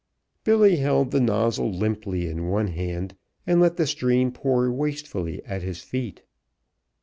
Billy held the nozzle limply in one hand and let the stream pour wastefully at his feet.